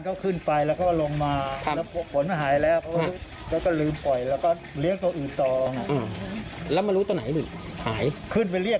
เดินหาหุ้นเลยดีใจไหมเนี่ย